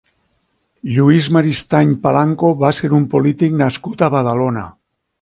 Lluís Maristany Palanco va ser un polític nascut a Badalona.